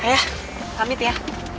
ayah pamit ya